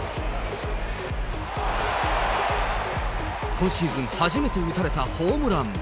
今シーズン初めて打たれたホームラン。